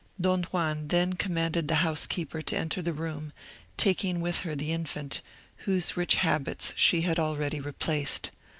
Don Juan then commanded the housekeeper to enter the room, taking with her the infant, whose rich habits she had already replaced.